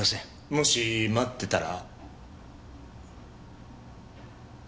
もし待ってたら？